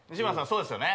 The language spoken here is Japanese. そうですよね